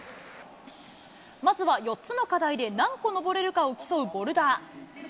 まずは４つの課題で何個登れるかを競うボルダー。